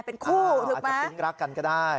เป็นคู่ถูกไหมอาจจะพิ้งรักกันก็ได้